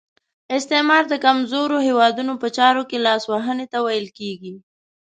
استعمار د کمزورو هیوادونو په چارو کې لاس وهنې ته ویل کیږي.